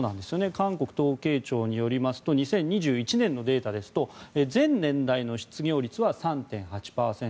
韓国統計庁の２０２１年のデータですと全年代の失業率は３．８％。